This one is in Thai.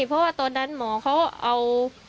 เพราะว่าตอนนั้นหมอเขาเอา